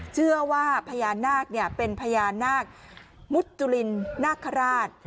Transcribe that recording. เชื่อว่าพญานาคเป็นพญานาคมุจุลินนาคาราช